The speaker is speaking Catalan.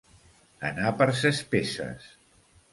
Anar per ses peces.